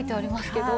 けど